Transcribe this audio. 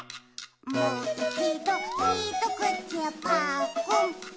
「もういちどひとくちぱっくん」ま。